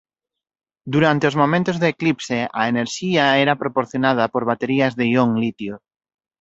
Durante os momentos de eclipse a enerxía era proporcionada por baterías de ión litio.